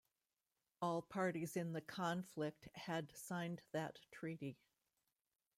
All parties in the conflict had signed that treaty.